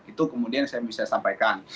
itu kemudian saya bisa sampaikan